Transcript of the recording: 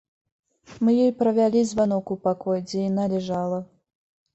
Мы ёй правялі званок у пакой, дзе яна ляжала.